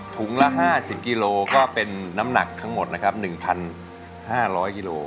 ถุงละ๕๐กิโลก็เป็นน้ำหนักทั้งหมดนะครับ๑๕๐๐กิโล